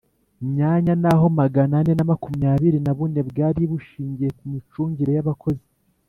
myanya naho magana ane na makumyabiri na bune bwari bushingiye ku micungire y abakozi